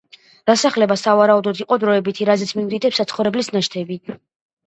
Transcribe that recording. დასახლება, სავარაუდოდ იყო დროებითი, რაზეც მიუთითებს საცხოვრებლის ნაშთები.